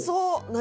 何？